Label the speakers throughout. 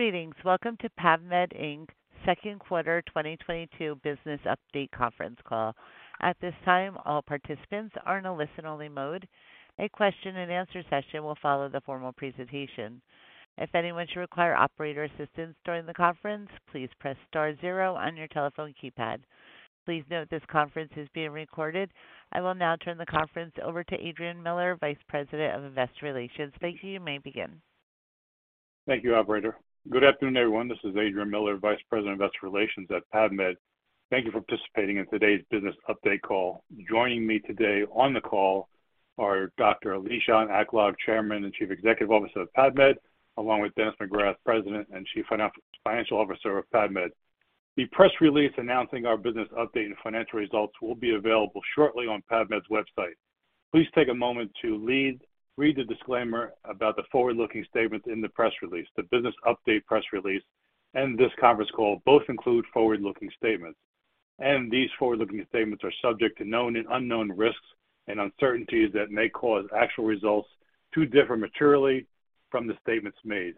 Speaker 1: Greetings. Welcome to PAVmed Inc.'s Q2 2022 Business Update conference call. At this time, all participants are in a listen-only mode. A question-and-answer session will follow the formal presentation. If anyone should require operator assistance during the conference, please press star zero on your telephone keypad. Please note this conference is being recorded. I will now turn the conference over to Adrian Miller, Vice President of Investor Relations. Thank you. You may begin.
Speaker 2: Thank you, Operator. Good afternoon, everyone. This is Adrian Miller, Vice President, Investor Relations at PAVmed. Thank you for participating in today's business update call. Joining me today on the call are Dr. Lishan Aklog, Chairman and Chief Executive Officer of PAVmed, along with Dennis McGrath, President and Chief Financial Officer of PAVmed. The press release announcing our business update and financial results will be available shortly on PAVmed's website. Please take a moment to read the disclaimer about the forward-looking statements in the press release. The business update press release and this conference call both include forward-looking statements, and these forward-looking statements are subject to known and unknown risks and uncertainties that may cause actual results to differ materially from the statements made.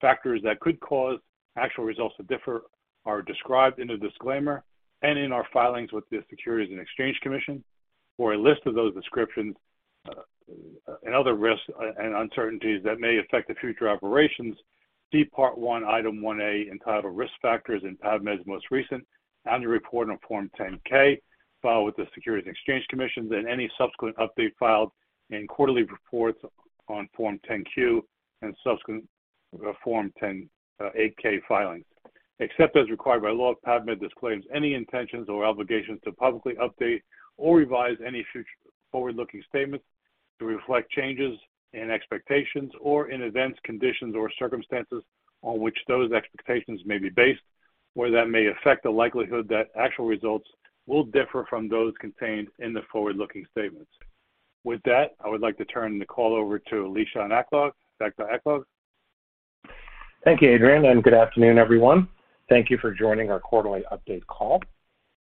Speaker 2: Factors that could cause actual results to differ are described in the disclaimer and in our filings with the Securities and Exchange Commission. For a list of those descriptions and other risks and uncertainties that may affect the future operations, see Part One, Item 1A, entitled Risk Factors in PAVmed's most recent annual report on Form 10-K filed with the Securities and Exchange Commission and any subsequent update filed in quarterly reports on Form 10-Q and subsequent Form 8-K filings. Except as required by law, PAVmed disclaims any intentions or obligations to publicly update or revise any forward-looking statements to reflect changes in expectations or in events, conditions, or circumstances on which those expectations may be based or that may affect the likelihood that actual results will differ from those contained in the forward-looking statements. With that, I would like to turn the call over to Lishan Aklog. Dr. Aklog.
Speaker 3: Thank you, Adrian, and good afternoon, everyone. Thank you for joining our quarterly update call.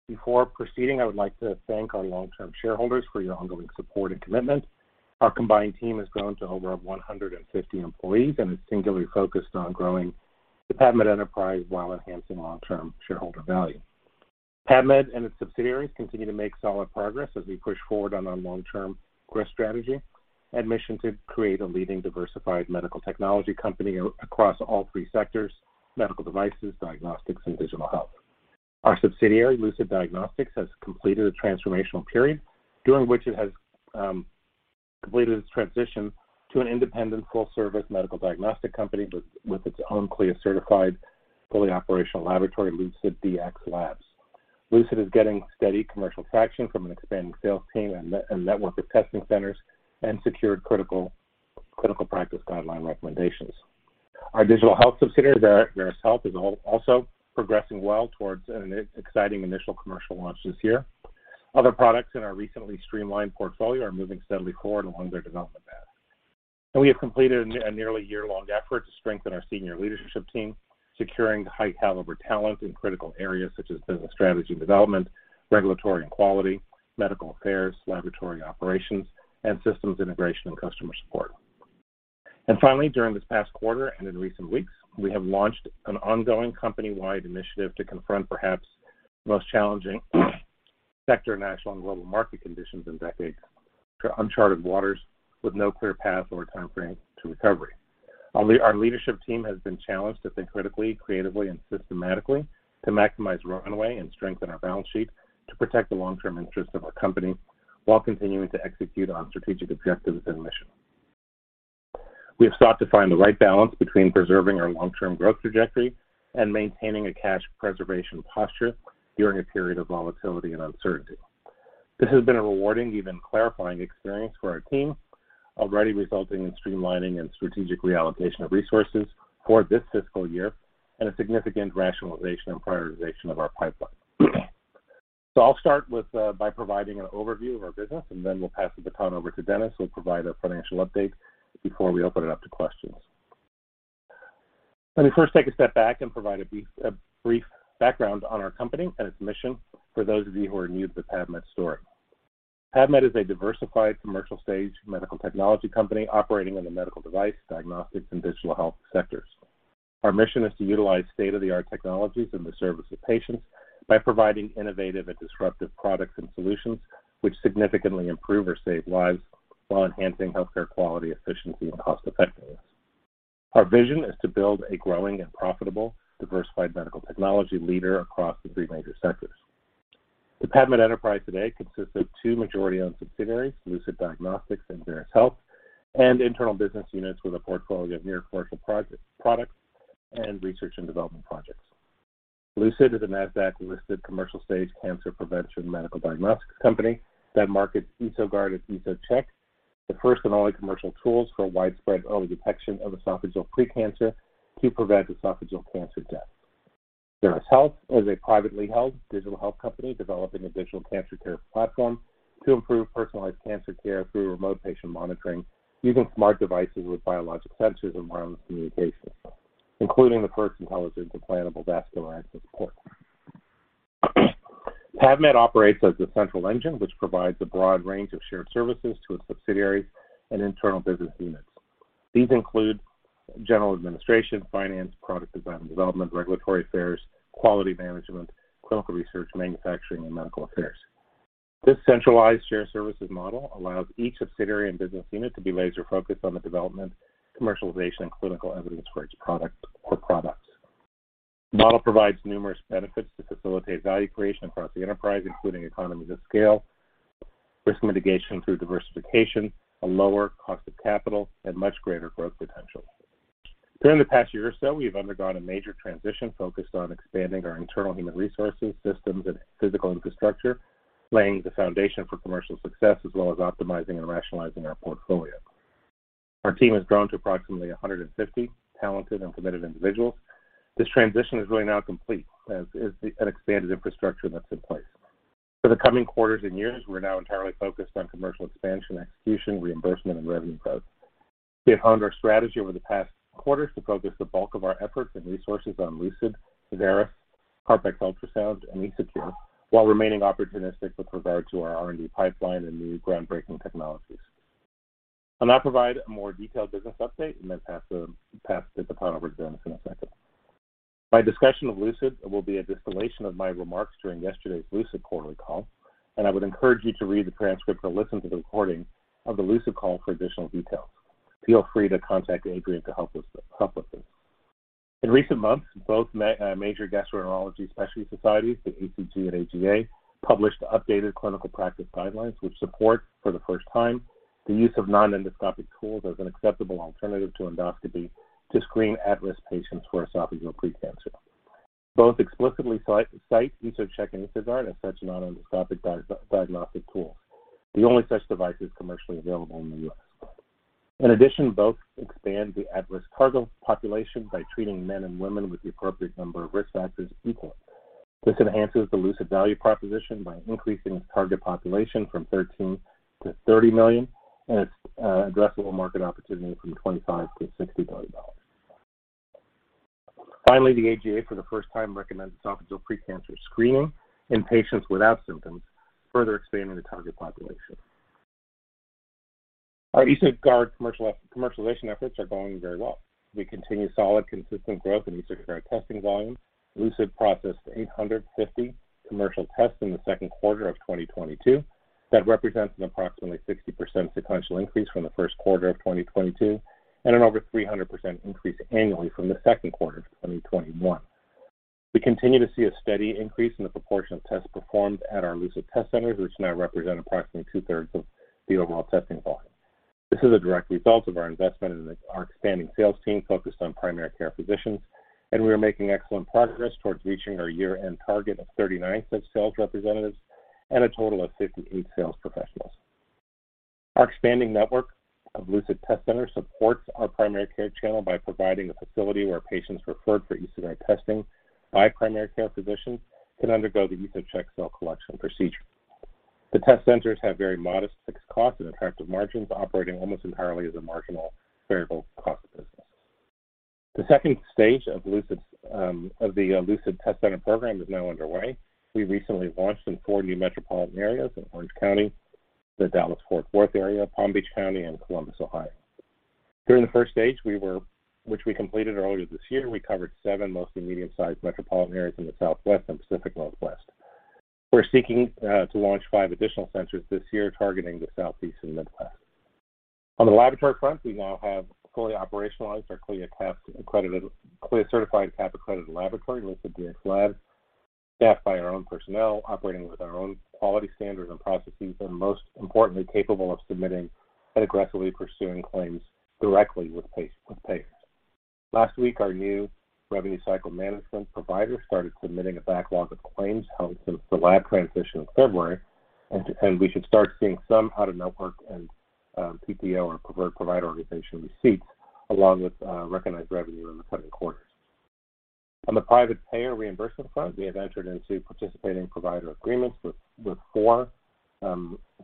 Speaker 3: Before proceeding, I would like to thank our long-term shareholders for your ongoing support and commitment. Our combined team has grown to over 150 employees and is singularly focused on growing the PAVmed enterprise while enhancing long-term shareholder value. PAVmed and its subsidiaries continue to make solid progress as we push forward on our long-term growth strategy and mission to create a leading diversified medical technology company across all three sectors: medical devices, diagnostics, and digital health. Our subsidiary, Lucid Diagnostics, has completed a transformational period during which it has completed its transition to an independent full service medical diagnostic company with its own CLIA-certified, fully operational laboratory, LucidDx Labs. Lucid is getting steady commercial traction from an expanding sales team and network of testing centers and secured critical, clinical practice guideline recommendations. Our digital health subsidiary, Veris Health, is also progressing well towards an exciting initial commercial launch this year. Other products in our recently streamlined portfolio are moving steadily forward along their development path. We have completed a nearly year-long effort to strengthen our senior leadership team, securing high caliber talent in critical areas such as business strategy and development, regulatory and quality, medical affairs, laboratory operations, and systems integration and customer support. Finally, during this past quarter and in recent weeks, we have launched an ongoing company-wide initiative to confront perhaps the most challenging sector national and global market conditions in decades to uncharted waters with no clear path or timeframe to recovery. Our leadership team has been challenged to think critically, creatively, and systematically to maximize runway and strengthen our balance sheet to protect the long-term interests of our company while continuing to execute on strategic objectives and mission. We have sought to find the right balance between preserving our long-term growth trajectory and maintaining a cash preservation posture during a period of volatility and uncertainty. This has been a rewarding, even clarifying experience for our team, already resulting in streamlining and strategic reallocation of resources for this fiscal year and a significant rationalization and prioritization of our pipeline. I'll start by providing an overview of our business, and then we'll pass the baton over to Dennis, who will provide a financial update before we open it up to questions. Let me first take a step back and provide a brief background on our company and its mission for those of you who are new to the PAVmed story. PAVmed is a diversified commercial stage medical technology company operating in the medical device, diagnostics, and digital health sectors. Our mission is to utilize state-of-the-art technologies in the service of patients by providing innovative and disruptive products and solutions which significantly improve or save lives while enhancing healthcare quality, efficiency, and cost effectiveness. Our vision is to build a growing and profitable diversified medical technology leader across the three major sectors. The PAVmed enterprise today consists of two majority-owned subsidiaries, Lucid Diagnostics and Veris Health, and internal business units with a portfolio of near commercial products and research and development projects. Lucid is a NASDAQ-listed commercial stage cancer prevention medical diagnostics company that markets EsoGuard and EsoCheck, the first and only commercial tools for widespread early detection of esophageal pre-cancer to prevent esophageal cancer death. Veris Health is a privately held digital health company developing a digital cancer care platform to improve personalized cancer care through remote patient monitoring using smart devices with biologic sensors and wireless communication, including the first intelligent implantable vascular access port. PAVmed operates as the central engine, which provides a broad range of shared services to its subsidiaries and internal business units. These include general administration, finance, product design and development, regulatory affairs, quality management, clinical research, manufacturing, and medical affairs. This centralized shared services model allows each subsidiary and business unit to be laser-focused on the development, commercialization, and clinical evidence for its product or products. The model provides numerous benefits to facilitate value creation across the enterprise, including economies of scale, risk mitigation through diversification, a lower cost of capital, and much greater growth potential. During the past year or so, we have undergone a major transition focused on expanding our internal human resources, systems, and physical infrastructure, laying the foundation for commercial success, as well as optimizing and rationalizing our portfolio. Our team has grown to approximately 150 talented and committed individuals. This transition is really now complete as is an expanded infrastructure that's in place. For the coming quarters and years, we're now entirely focused on commercial expansion, execution, reimbursement, and revenue growth. We have honed our strategy over the past quarters to focus the bulk of our efforts and resources on Lucid, Veris, CarpX ultrasound and EsoCure, while remaining opportunistic with regard to our R&D pipeline and new groundbreaking technologies. I'll now provide a more detailed business update and then pass the baton over to Dennis in a second. My discussion of Lucid will be a distillation of my remarks during yesterday's Lucid quarterly call, and I would encourage you to read the transcript or listen to the recording of the Lucid call for additional details. Feel free to contact Adrian to help with this. In recent months, both major gastroenterology specialty societies, the ACG and AGA, published updated clinical practice guidelines which support for the first time the use of non-endoscopic tools as an acceptable alternative to endoscopy to screen at-risk patients for esophageal pre-cancer. Both explicitly cite EsoCheck and EsoGuard as such non-endoscopic diagnostic tools. The only such devices commercially available in the US. In addition, both expand the at-risk target population by treating men and women with the appropriate number of risk factors equally. This enhances the Lucid value proposition by increasing its target population from 13 to 30 million, and its addressable market opportunity from $25 billion to $60 billion. Finally, the AGA for the first time recommends esophageal pre-cancer screening in patients without symptoms, further expanding the target population. Our EsoGuard commercialization efforts are going very well. We continue solid, consistent growth in EsoGuard testing volume. Lucid processed 850 commercial tests in the second quarter of 2022. That represents an approximately 60% sequential increase from the first quarter of 2022 and an over 300% increase annually from the second quarter of 2021. We continue to see a steady increase in the proportion of tests performed at our Lucid test centers, which now represent approximately two-thirds of the overall testing volume. This is a direct result of our investment in our expanding sales team focused on primary care physicians, and we are making excellent progress towards reaching our year-end target of 39 such sales representatives and a total of 58 sales professionals. Our expanding network of Lucid test centers supports our primary care channel by providing a facility where patients referred for EsoCheck testing by primary care physicians can undergo the EsoCheck cell collection procedure. The test centers have very modest fixed costs and attractive margins, operating almost entirely as a marginal variable cost business. The second stage of the Lucid Test Center program is now underway. We recently launched in four new metropolitan areas in Orange County, the Dallas-Fort Worth area, Palm Beach County, and Columbus, Ohio. During the first stage, which we completed earlier this year, we covered seven mostly medium-sized metropolitan areas in the Southwest and Pacific Northwest. We're seeking to launch five additional centers this year, targeting the Southeast and Midwest. On the laboratory front, we now have fully operationalized our CLIA-certified, CAP-accredited laboratory, LucidDx Labs, staffed by our own personnel, operating with our own quality standards and processes, and most importantly, capable of submitting and aggressively pursuing claims directly with payers. Last week, our new revenue cycle management provider started submitting a backlog of claims held since the lab transition in February, and we should start seeing some out-of-network and PPO or preferred provider organization receipts, along with recognized revenue in the coming quarters. On the private payer reimbursement front, we have entered into participating provider agreements with four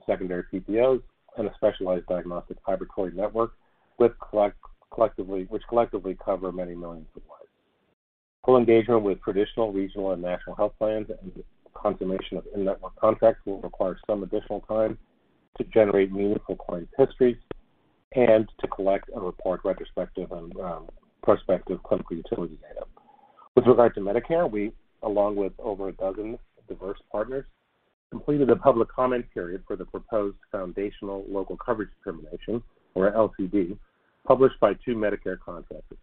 Speaker 3: secondary PPOs and a specialized diagnostic laboratory network collectively, which collectively cover many millions of lives. Full engagement with traditional, regional, and national health plans and the confirmation of in-network contracts will require some additional time to generate meaningful claims histories and to collect and report retrospective and prospective clinical utility data. With regard to Medicare, we, along with over a dozen diverse partners, completed a public comment period for the proposed foundational local coverage determination, or LCD, published by two Medicare contractors,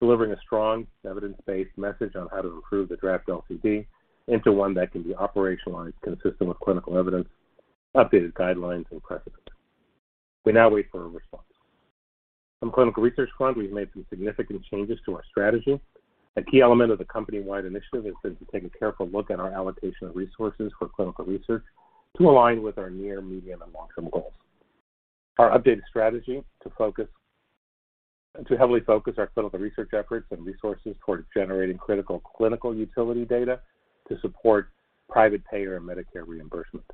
Speaker 3: delivering a strong evidence-based message on how to improve the draft LCD into one that can be operationalized consistent with clinical evidence, updated guidelines, and precedents. We now wait for a response. On clinical research front, we've made some significant changes to our strategy. A key element of the company-wide initiative is to take a careful look at our allocation of resources for clinical research to align with our near, medium, and long-term goals. Our updated strategy to heavily focus our clinical research efforts and resources towards generating critical clinical utility data to support private payer and Medicare reimbursement.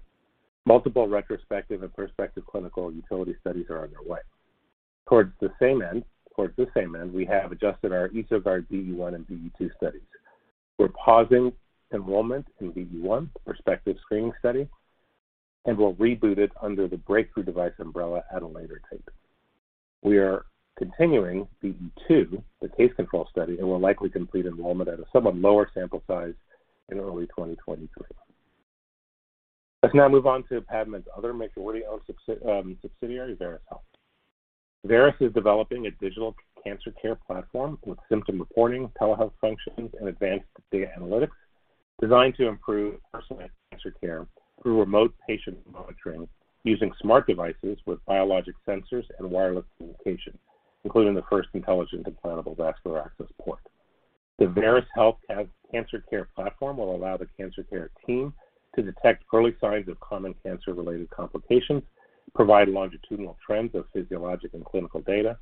Speaker 3: Multiple retrospective and prospective clinical utility studies are underway. Towards the same end, we have adjusted our EsoGuard DE1 and DE2 studies. We're pausing enrollment in DE1, prospective screening study, and we'll reboot it under the breakthrough device umbrella at a later date. We are continuing DE2, the case control study, and will likely complete enrollment at a somewhat lower sample size in early 2023. Let's now move on to PAVmed's other majority-owned subsidiary, Veris Health. Veris is developing a digital cancer care platform with symptom reporting, telehealth functions, and advanced data analytics designed to improve personalized cancer care through remote patient monitoring using smart devices with biologic sensors and wireless communication, including the first intelligent implantable vascular access port. The Veris Health cancer care platform will allow the cancer care team to detect early signs of common cancer-related complications, provide longitudinal trends of physiologic and clinical data,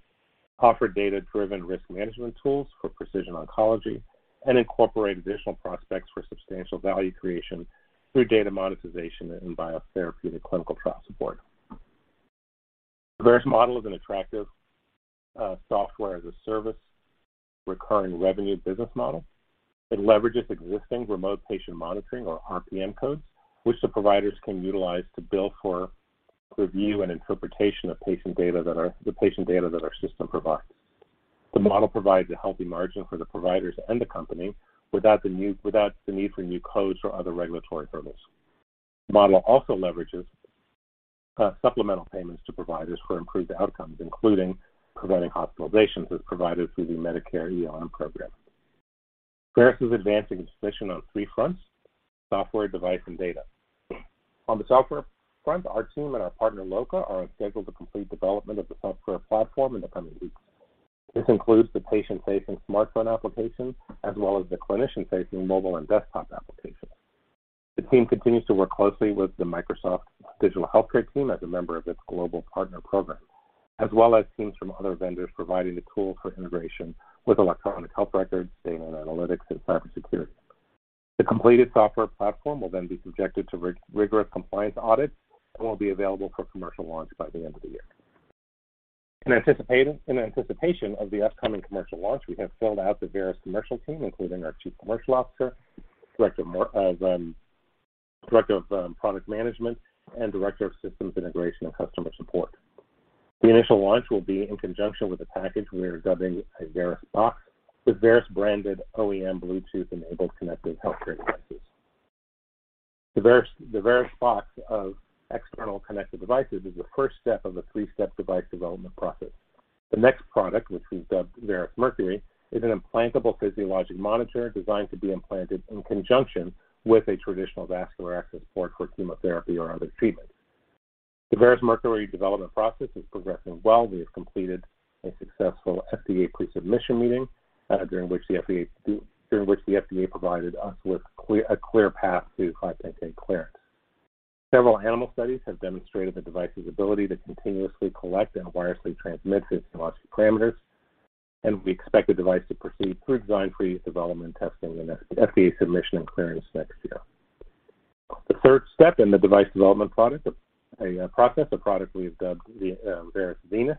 Speaker 3: offer data-driven risk management tools for precision oncology, and incorporate additional prospects for substantial value creation through data monetization and biotherapeutic clinical trial support. Veris model is an attractive software as a service recurring revenue business model. It leverages existing remote patient monitoring or RPM codes, which the providers can utilize to bill for review and interpretation of the patient data that our system provides. The model provides a healthy margin for the providers and the company without the need for new codes or other regulatory hurdles. The model also leverages supplemental payments to providers for improved outcomes, including preventing hospitalizations as provided through the Oncology Care Model. Veris is advancing its mission on three fronts, software, device, and data. On the software front, our team and our partner, Loka, are on schedule to complete development of the software platform in the coming weeks. This includes the patient-facing smartphone application as well as the clinician-facing mobile and desktop application. The team continues to work closely with the Microsoft Digital Healthcare team as a member of its global partner program, as well as teams from other vendors providing the tools for integration with electronic health records, data and analytics, and cyber security. The completed software platform will then be subjected to rigorous compliance audits and will be available for commercial launch by the end of the year. In anticipation of the upcoming commercial launch, we have filled out the Veris commercial team, including our chief commercial officer, director of product management, and director of systems integration and customer support. The initial launch will be in conjunction with a package we are dubbing a VerisBox with Veris-branded OEM Bluetooth-enabled connected healthcare devices. The VerisBox of external connected devices is the first step of a three-step device development process. The next product, which we've dubbed Veris Mercury, is an implantable physiologic monitor designed to be implanted in conjunction with a traditional vascular access port for chemotherapy or other treatments. The Veris Mercury development process is progressing well. We have completed a successful FDA pre-submission meeting, during which the FDA provided us with a clear path to 510(k) clearance. Several animal studies have demonstrated the device's ability to continuously collect and wirelessly transmit its physiologic parameters, and we expect the device to proceed through design freeze, development testing, and FDA submission and clearance next year. The third step in the device development process, a product we have dubbed the Veris Venus,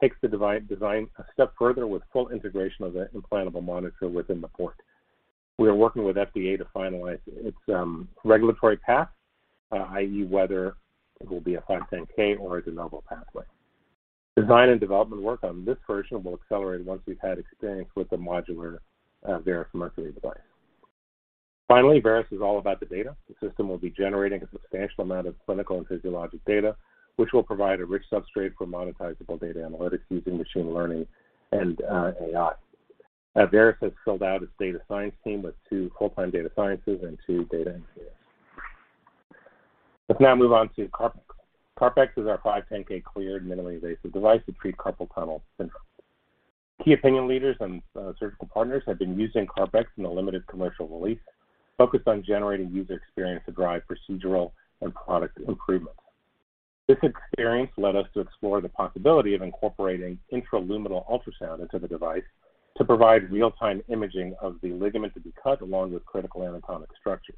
Speaker 3: takes the design a step further with full integration of the implantable monitor within the port. We are working with FDA to finalize its regulatory path, i.e., whether it will be a 510(k) or a De Novo pathway. Design and development work on this version will accelerate once we've had experience with the modular Veris Mercury device. Finally, Veris is all about the data. The system will be generating a substantial amount of clinical and physiologic data, which will provide a rich substrate for monetizable data analytics using machine learning and AI. Veris has filled out its data science team with two full-time data scientists and two data engineers. Let's now move on to CarpX. CarpX is our 510(k) cleared minimally invasive device to treat carpal tunnel syndrome. Key opinion leaders and surgical partners have been using CarpX in a limited commercial release focused on generating user experience to drive procedural and product improvements. This experience led us to explore the possibility of incorporating intraluminal ultrasound into the device to provide real-time imaging of the ligament to be cut along with critical anatomic structures.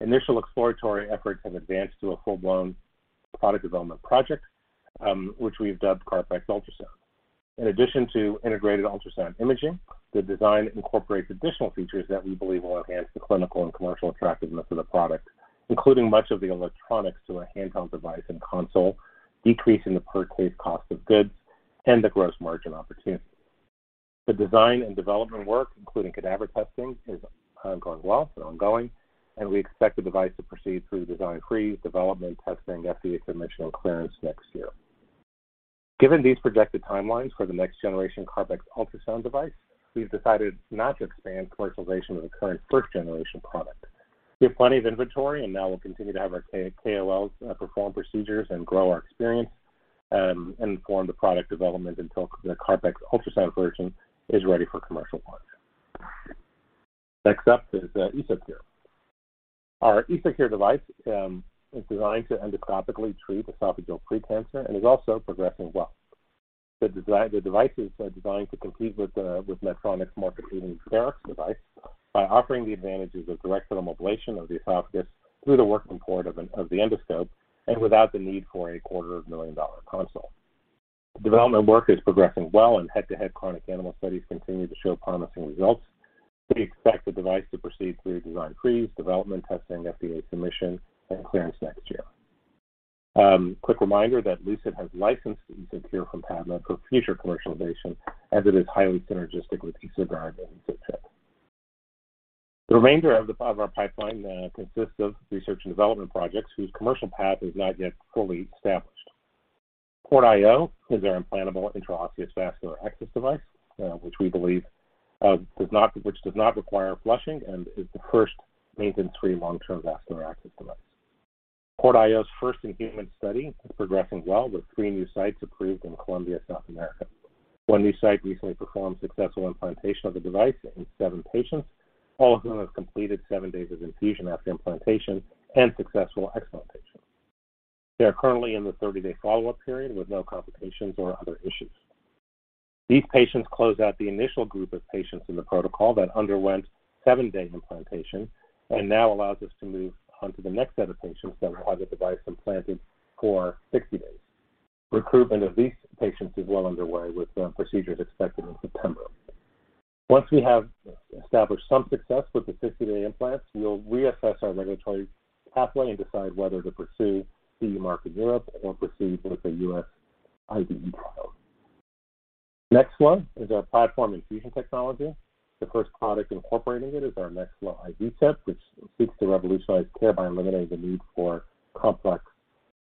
Speaker 3: Initial exploratory efforts have advanced to a full-blown product development project, which we've dubbed CarpX ultrasound. In addition to integrated ultrasound imaging, the design incorporates additional features that we believe will enhance the clinical and commercial attractiveness of the product, including much of the electronics to a handheld device and console, decreasing the per case cost of goods and the gross margin opportunity. The design and development work, including cadaver testing, is going well, ongoing, and we expect the device to proceed through design freeze, development, testing, FDA submission, and clearance next year. Given these projected timelines for the next generation CarpX ultrasound device, we've decided not to expand commercialization of the current first generation product. We have plenty of inventory, and now we'll continue to have our key KOLs perform procedures and grow our experience, inform the product development until the CarpX ultrasound version is ready for commercial launch. Next up is EsoCure. Our EsoCure device is designed to endoscopically treat esophageal pre-cancer and is also progressing well. The devices are designed to compete with Medtronic's Barrx device by offering the advantages of direct thermal ablation of the esophagus through the working port of the endoscope and without the need for a quarter million dollar console. Development work is progressing well, and head-to-head chronic animal studies continue to show promising results. We expect the device to proceed through design freeze, development, testing, FDA submission and clearance next year. Quick reminder that Lucid has licensed EsoCure from PAVmed for future commercialization as it is highly synergistic with EsoGuard and EsoCheck. The remainder of our pipeline consists of research and development projects whose commercial path is not yet fully established. PortIO is our implantable intraosseous vascular access device, which we believe does not require flushing and is the first maintenance-free long-term vascular access device. PortIO's first-in-human study is progressing well, with 3 new sites approved in Colombia, South America. One new site recently performed successful implantation of the device in 7 patients, all of whom have completed 7 days of infusion after implantation and successful explantation. They are currently in the 30-day follow-up period with no complications or other issues. These patients close out the initial group of patients in the protocol that underwent seven-day implantation and now allows us to move on to the next set of patients that will have the device implanted for 60 days. Recruitment of these patients is well underway, with procedures expected in September. Once we have established some success with the 60-day implants, we will reassess our regulatory pathway and decide whether to pursue CE mark in Europe or proceed with a U.S. IDE trial. Next one is our platform infusion technology. The first product incorporating it is our NextFlo IV set, which seeks to revolutionize care by eliminating the need for complex,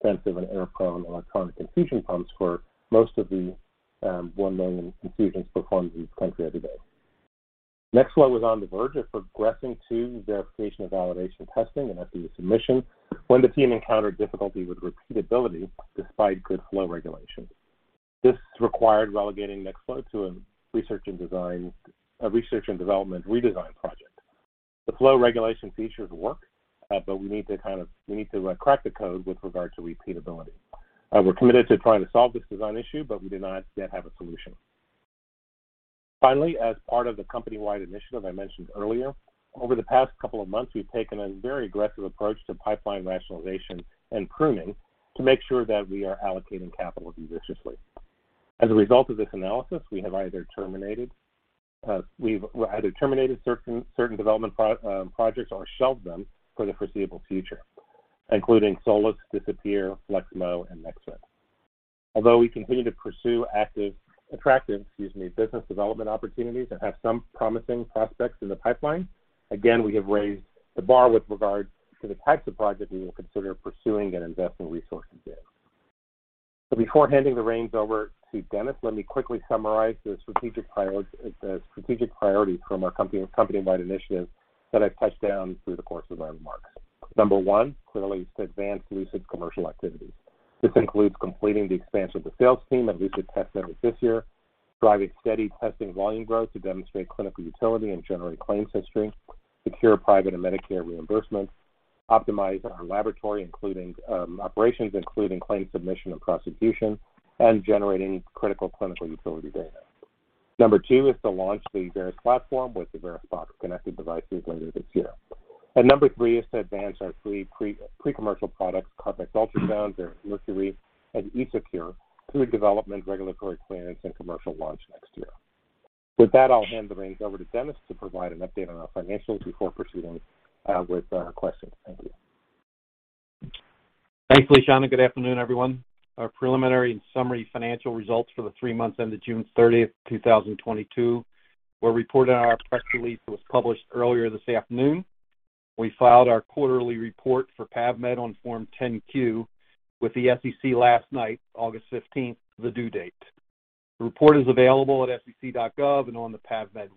Speaker 3: sensitive, and error-prone electronic infusion pumps for most of the 1 million infusions performed in this country every day. NextFlo was on the verge of progressing to verification and validation testing and FDA submission when the team encountered difficulty with repeatability despite good flow regulation. This required relegating NextFlo to a research and development redesign project. The flow regulation features work, but we need to kind of crack the code with regard to repeatability. We're committed to trying to solve this design issue, but we do not yet have a solution. Finally, as part of the company-wide initiative I mentioned earlier, over the past couple of months, we've taken a very aggressive approach to pipeline rationalization and pruning to make sure that we are allocating capital judiciously. As a result of this analysis, we have either terminated certain development projects or shelved them for the foreseeable future, including Solys, DisappEAR, FlexMO, and NextFlo. Although we continue to pursue attractive business development opportunities and have some promising prospects in the pipeline, again, we have raised the bar with regard to the types of projects we will consider pursuing and investing resources in. Before handing the reins over to Dennis, let me quickly summarize the strategic priorities from our company-wide initiative that I've touched on through the course of our remarks. Number one clearly is to advance Lucid's commercial activities. This includes completing the expansion of the sales team at Lucid test centers this year, driving steady testing volume growth to demonstrate clinical utility and generate claims history, secure private and Medicare reimbursement, optimize our laboratory, including operations, including claims submission and prosecution, and generating critical clinical utility data. Number two is to launch the Veris platform with the VerisBox connected devices later this year. Number three is to advance our three pre-commercial products, CarpX ultrasound, Veris Mercury, and EsoCure, through development, regulatory clearance, and commercial launch next year. With that, I'll hand the reins over to Dennis to provide an update on our financials before proceeding with questions. Thank you.
Speaker 4: Thanks, Lishan, good afternoon, everyone. Our preliminary and summary financial results for the three months ended June 30, 2022 were reported in our press release that was published earlier this afternoon. We filed our quarterly report for PAVmed on Form 10-Q with the SEC last night, August 15, the due date. The report is available at sec.gov and on the PAVmed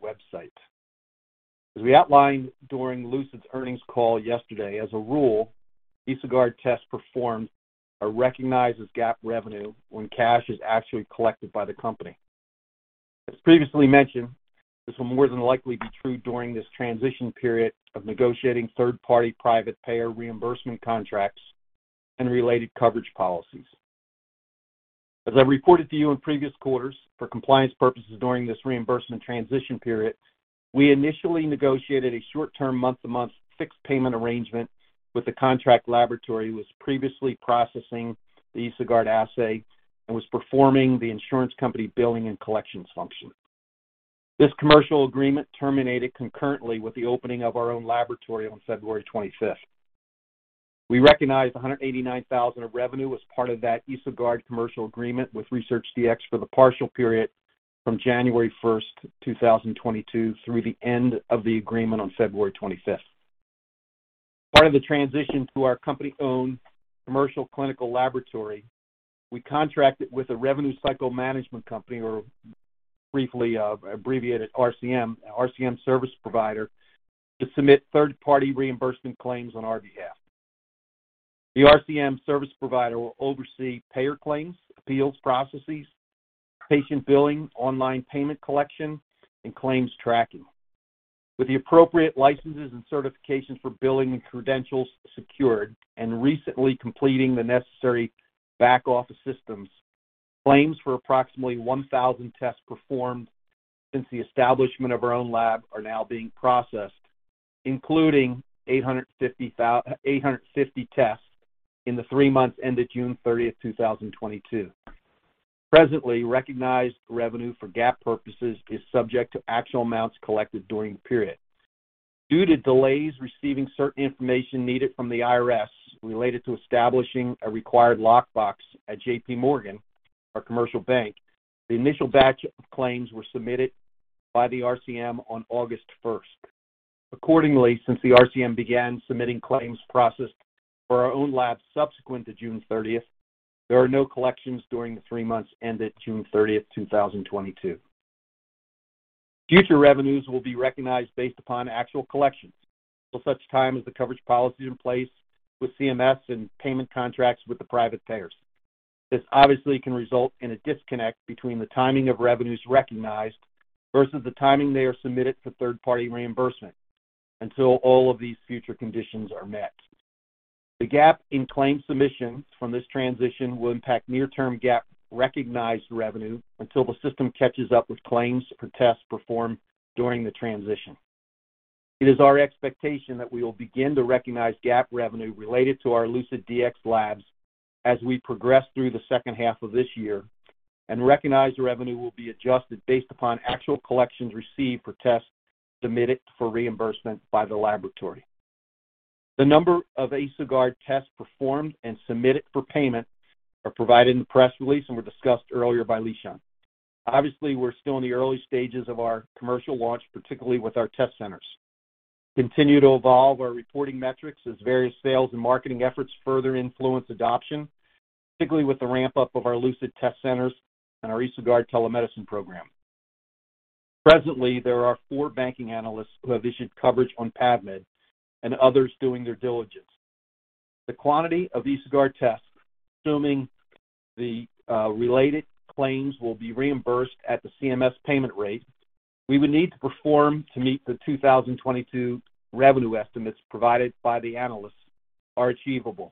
Speaker 4: website. As we outlined during Lucid's earnings call yesterday, as a rule, EsoGuard tests performed are recognized as GAAP revenue when cash is actually collected by the company. As previously mentioned, this will more than likely be true during this transition period of negotiating third-party private payer reimbursement contracts and related coverage policies. As I reported to you in previous quarters, for compliance purposes during this reimbursement transition period, we initially negotiated a short-term month-to-month fixed payment arrangement with the contract laboratory who was previously processing the EsoGuard assay and was performing the insurance company billing and collections function. This commercial agreement terminated concurrently with the opening of our own laboratory on February 25. We recognized $189 thousand of revenue as part of that EsoGuard commercial agreement with ResearchDx for the partial period from January 1, 2022 through the end of the agreement on February 25. As part of the transition to our company-owned commercial clinical laboratory, we contracted with a revenue cycle management company, or briefly, abbreviated RCM service provider, to submit third-party reimbursement claims on our behalf. The RCM service provider will oversee payer claims, appeals processes, patient billing, online payment collection, and claims tracking. With the appropriate licenses and certifications for billing and credentials secured and recently completing the necessary back office systems. Claims for approximately 1,000 tests performed since the establishment of our own lab are now being processed, including 850 tests in the three months ended June 30, 2022. Presently, recognized revenue for GAAP purposes is subject to actual amounts collected during the period. Due to delays receiving certain information needed from the IRS related to establishing a required lockbox at JPMorgan, our commercial bank, the initial batch of claims were submitted by the RCM on August 1. Accordingly, since the RCM began submitting claims processed for our own lab subsequent to June 30, there are no collections during the three months ended June 30, 2022. Future revenues will be recognized based upon actual collections till such time as the coverage policy is in place with CMS and payment contracts with the private payers. This obviously can result in a disconnect between the timing of revenues recognized versus the timing they are submitted for third-party reimbursement until all of these future conditions are met. The gap in claim submissions from this transition will impact near-term GAAP recognized revenue until the system catches up with claims for tests performed during the transition. It is our expectation that we will begin to recognize GAAP revenue related to our LucidDx Labs as we progress through the second half of this year, and recognized revenue will be adjusted based upon actual collections received for tests submitted for reimbursement by the laboratory. The number of EsoGuard tests performed and submitted for payment are provided in the press release and were discussed earlier by Lishan Aklog. Obviously, we're still in the early stages of our commercial launch, particularly with our test centers. Continue to evolve our reporting metrics as various sales and marketing efforts further influence adoption, particularly with the ramp-up of our Lucid test centers and our EsoGuard telemedicine program. Presently, there are four banking analysts who have issued coverage on PAVmed and others doing their diligence. The quantity of EsoGuard tests, assuming the related claims will be reimbursed at the CMS payment rate we would need to perform to meet the 2022 revenue estimates provided by the analysts, are achievable.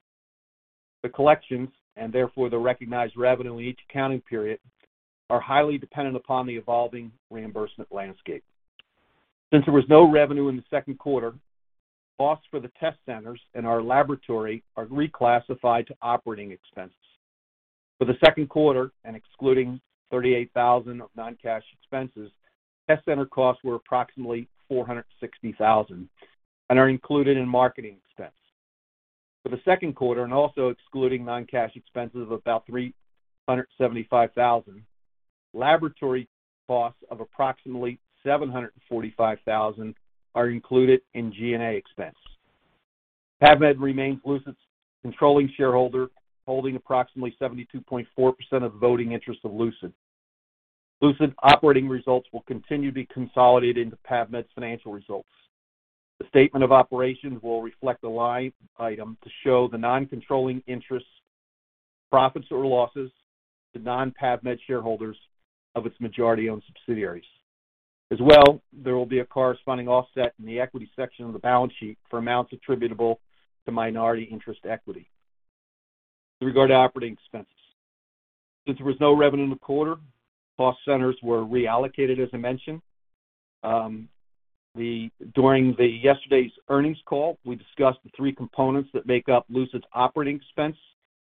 Speaker 4: The collections, and therefore the recognized revenue in each accounting period, are highly dependent upon the evolving reimbursement landscape. Since there was no revenue in the second quarter, costs for the test centers and our laboratory are reclassified to operating expenses. For the second quarter, and excluding $38,000 of non-cash expenses, test center costs were approximately $460,000 and are included in marketing expense. For the second quarter, and also excluding non-cash expenses of about $375,000, laboratory costs of approximately $745,000 are included in G&A expense. PAVmed remains Lucid's controlling shareholder, holding approximately 72.4% of the voting interest of Lucid. Lucid operating results will continue to be consolidated into PAVmed's financial results. The statement of operations will reflect a line item to show the non-controlling interests, profits or losses to non-PAVmed shareholders of its majority-owned subsidiaries. As well, there will be a corresponding offset in the equity section of the balance sheet for amounts attributable to minority interest equity. With regard to operating expenses, since there was no revenue in the quarter, cost centers were reallocated, as I mentioned. During yesterday's earnings call, we discussed the three components that make up Lucid's operating expense,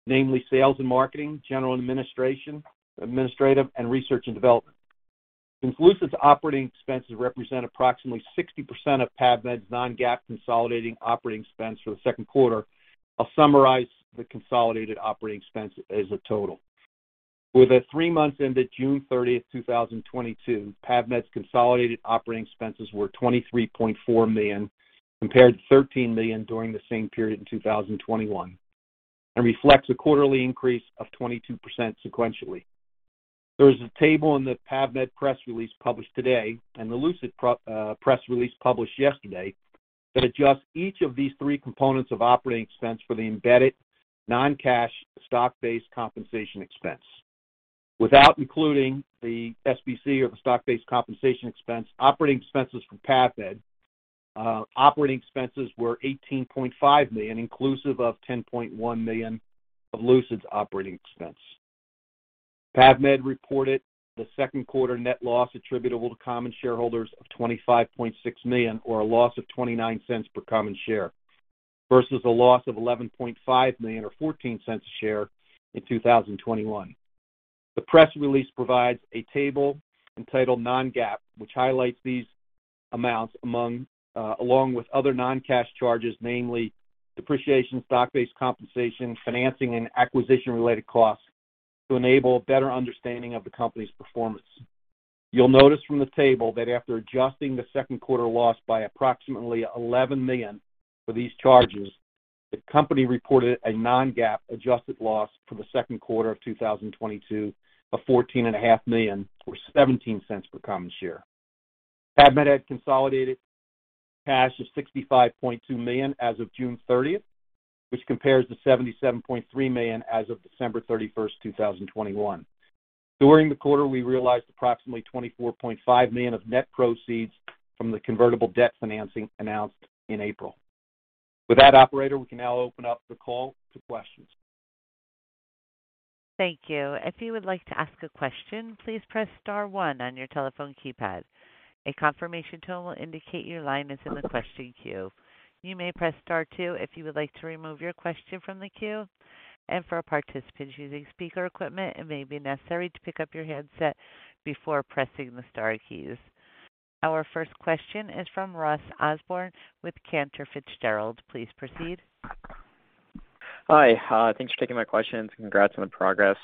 Speaker 4: namely sales and marketing, general and administrative, and research and development. Since Lucid's operating expenses represent approximately 60% of PAVmed's non-GAAP consolidated operating expense for the second quarter, I'll summarize the consolidated operating expense as a total. For the three months ended June 30, 2022, PAVmed's consolidated operating expenses were $23.4 million, compared to $13 million during the same period in 2021, and reflects a quarterly increase of 22% sequentially. There is a table in the PAVmed press release published today and the Lucid press release published yesterday that adjusts each of these three components of operating expense for the embedded non-cash stock-based compensation expense. Without including the SBC or the stock-based compensation expense, operating expenses from PAVmed, operating expenses were $18.5 million, inclusive of $10.1 million of Lucid's operating expense. PAVmed reported the second quarter net loss attributable to common shareholders of $25.6 million or a loss of $0.29 per common share versus a loss of $11.5 million or $0.14 a share in 2021. The press release provides a table entitled Non-GAAP, which highlights these amounts among, along with other non-cash charges, namely depreciation, stock-based compensation, financing and acquisition-related costs to enable a better understanding of the company's performance. You'll notice from the table that after adjusting the second quarter loss by approximately $11 million for these charges, the company reported a non-GAAP adjusted loss for the second quarter of 2022 of $14.5 million or $0.17 per common share. PAVmed had consolidated cash of $65.2 million as of June 30, which compares to $77.3 million as of December 31, 2021. During the quarter, we realized approximately $24.5 million of net proceeds from the convertible debt financing announced in April.
Speaker 3: With that operator, we can now open up the call to questions.
Speaker 1: Thank you. If you would like to ask a question, please press star one on your telephone keypad. A confirmation tone will indicate your line is in the question queue. You may press star two if you would like to remove your question from the queue. For participants using speaker equipment, it may be necessary to pick up your handset before pressing the star keys. Our first question is from Ross Osborn with Cantor Fitzgerald. Please proceed.
Speaker 5: Hi. Thanks for taking my questions and congrats on the progress.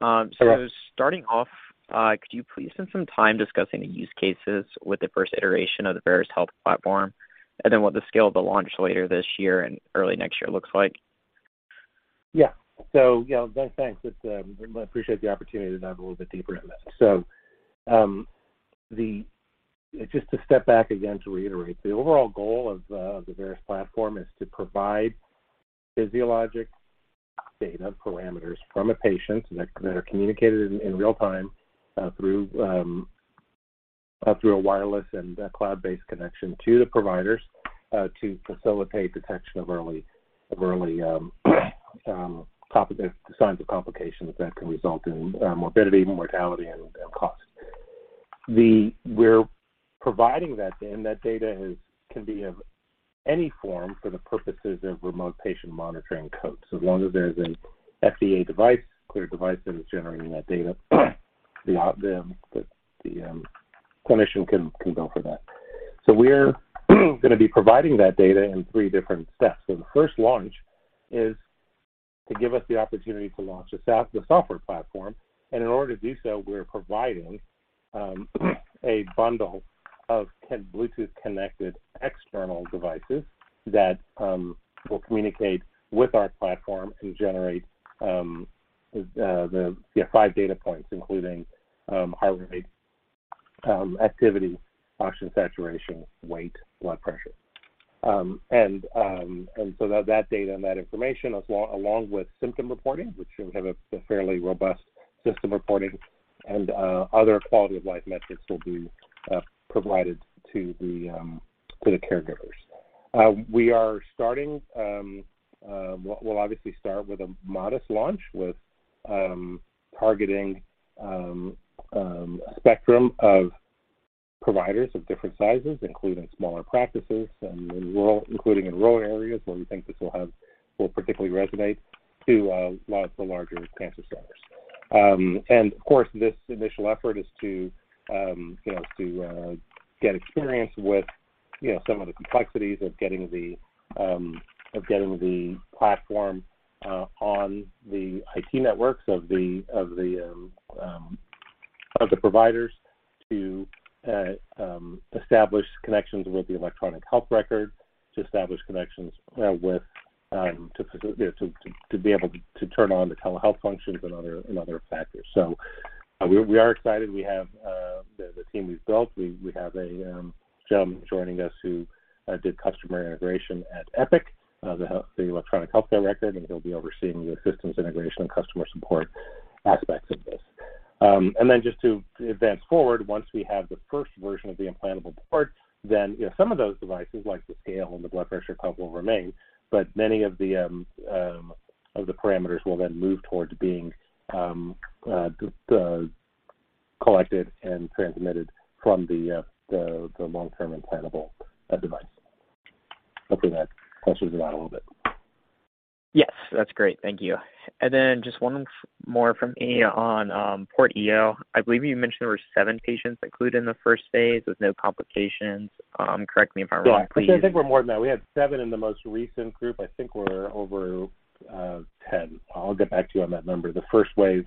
Speaker 3: Yes.
Speaker 5: Starting off, could you please spend some time discussing the use cases with the first iteration of the Veris Health platform and then what the scale of the launch later this year and early next year looks like?
Speaker 3: Yeah. You know, Ross, thanks. I appreciate the opportunity to dive a little bit deeper in this. Just to step back again to reiterate, the overall goal of the Veris platform is to provide physiologic data parameters from a patient that are communicated in real time through a wireless and a cloud-based connection to the providers to facilitate detection of early signs of complications that can result in morbidity, mortality and costs. We're providing that data, and that data can be of any form for the purposes of remote patient monitoring codes. So long as there's an FDA-cleared device that is generating that data, the clinician can bill for that. We're gonna be providing that data in three different steps. The first launch is to give us the opportunity to launch the software platform. In order to do so, we're providing a bundle of 10 Bluetooth-connected external devices that will communicate with our platform and generate the you know 5 data points, including heart rate, activity, oxygen saturation, weight, blood pressure. That data and that information, along with symptom reporting, which should have a fairly robust symptom reporting and other quality of life metrics will be provided to the caregivers. We'll obviously start with a modest launch with targeting a spectrum of providers of different sizes, including smaller practices and in rural areas where we think this will particularly resonate with a lot of the larger cancer centers. Of course, this initial effort is to you know get experience with you know some of the complexities of getting the platform on the IT networks of the providers to establish connections with the electronic health record, to establish connections with you know to be able to turn on the telehealth functions and other factors. We are excited. We have the team we've built. We have a gem joining us who did customer integration at Epic, the electronic health record, and he'll be overseeing the systems integration and customer support aspects of this. Just to advance forward, once we have the first version of the implantable port, then, you know, some of those devices, like the scale and the blood pressure cuff will remain, but many of the parameters will then move towards being collected and transmitted from the long-term implantable device. Hopefully that answers that a little bit.
Speaker 5: Yes, that's great. Thank you. Just one more from me on PortIO. I believe you mentioned there were seven patients included in the first phase with no complications. Correct me if I'm wrong, please.
Speaker 3: Right. Actually, I think we're more than that. We had seven in the most recent group. I think we're over 10. I'll get back to you on that number. The first wave,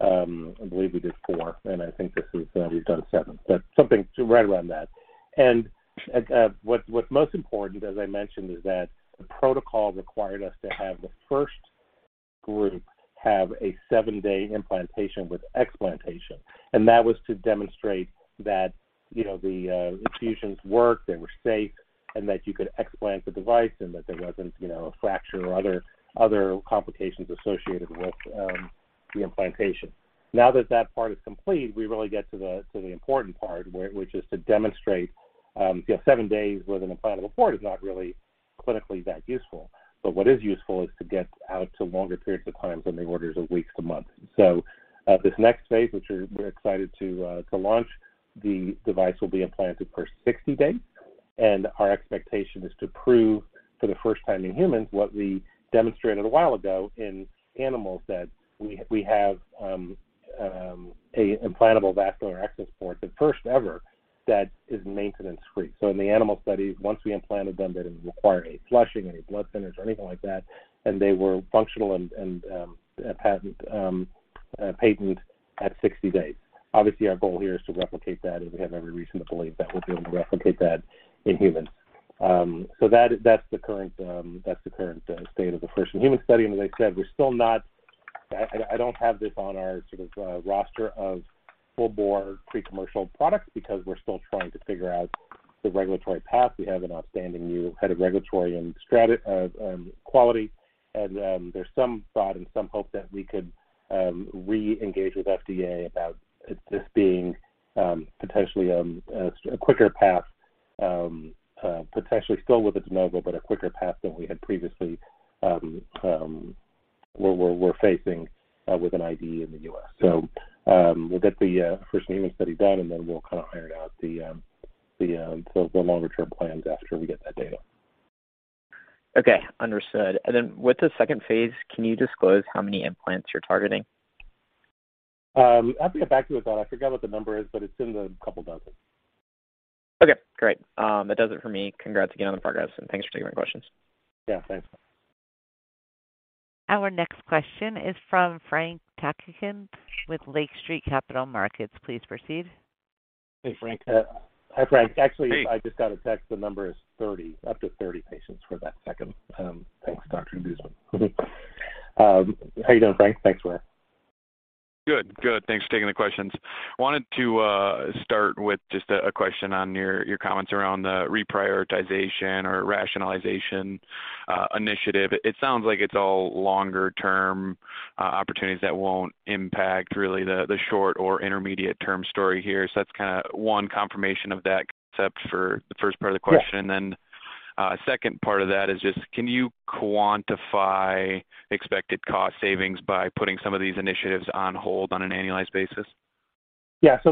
Speaker 3: I believe we did four, and I think this is, we've done seven. But something right around that. What's most important, as I mentioned, is that the protocol required us to have the first group have a seven-day implantation with explantation. That was to demonstrate that, you know, the infusions worked, they were safe, and that you could explant the device and that there wasn't, you know, a fracture or other complications associated with the implantation. Now that part is complete, we really get to the important part, which is to demonstrate, you know, seven days with an implantable port is not really clinically that useful. What is useful is to get out to longer periods of time, something on the orders of weeks to months. This next phase, which we're excited to launch, the device will be implanted for 60 days. Our expectation is to prove for the first time in humans what we demonstrated a while ago in animals that we have an implantable vascular access port, the first ever, that is maintenance-free. In the animal study, once we implanted them, they didn't require any flushing, any blood thinners or anything like that, and they were functional and patent at 60 days. Obviously, our goal here is to replicate that, and we have every reason to believe that we'll be able to replicate that in humans. That's the current state of the first human study. As I said, I don't have this on our sort of roster of full-bore pre-commercial products because we're still trying to figure out the regulatory path. We have an outstanding new head of regulatory and quality. There's some thought and some hope that we could re-engage with FDA about it just being potentially a quicker path, potentially still with a De Novo but a quicker path than we had previously, where we're facing with an IDE in the US. We'll get the first human study done, and then we'll kinda iron out the longer-term plans after we get that data.
Speaker 5: Okay, understood. With the second phase, can you disclose how many implants you're targeting?
Speaker 3: I have to get back to you with that. I forgot what the number is, but it's in the couple dozen.
Speaker 5: Okay, great. That does it for me. Congrats again on the progress, and thanks for taking my questions.
Speaker 3: Yeah, thanks.
Speaker 1: Our next question is from Frank Takkinen with Lake Street Capital Markets. Please proceed.
Speaker 3: Hey, Frank. Hi, Frank.
Speaker 6: Hey.
Speaker 3: Actually, I just got a text. The number is 30. Up to 30 patients for that second. Thanks. How you doing, Frank? Thanks for that.
Speaker 6: Good, good. Thanks for taking the questions. Wanted to start with just a question on your comments around the reprioritization or rationalization initiative. It sounds like it's all longer-term opportunities that won't impact really the short or intermediate term story here. That's kinda one confirmation of that except for the first part of the question.
Speaker 3: Yeah.
Speaker 6: Second part of that is just can you quantify expected cost savings by putting some of these initiatives on hold on an annualized basis?
Speaker 3: Yeah. Of